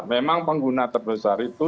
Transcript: memang pengguna terbesar itu